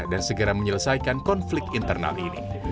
dan segera menyelesaikan konflik internal ini